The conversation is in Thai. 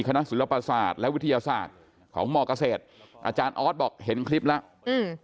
คณะศิลปศาสตร์และวิทยาศาสตร์ของมเกษตรอาจารย์ออสบอกเห็นคลิปแล้วอืม